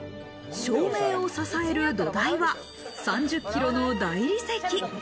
照明を支える土台は３０キロの大理石。